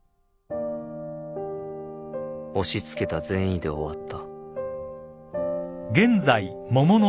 押しつけた善意で終わった